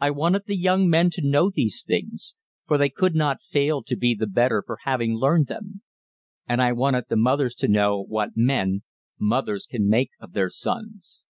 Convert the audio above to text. I wanted the young men to know these things, for they could not fail to be the better for having learned them; and I wanted the mothers to know what men mothers can make of their sons.